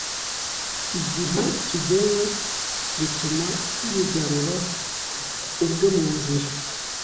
Igihe kigenwe bituma yigarura ubwe mu nzira